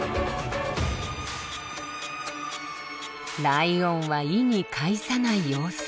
ライオンは意に介さない様子。